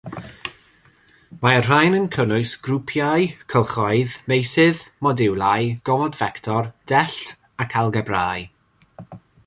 Mae'r rhain yn cynnwys grwpiau, cylchoedd, meysydd, modiwlau, gofod fector, dellt ac algebrâu.